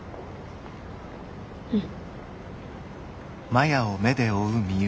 うん。